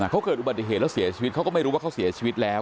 เขาเกิดอุบัติเหตุแล้วเสียชีวิตเขาก็ไม่รู้ว่าเขาเสียชีวิตแล้ว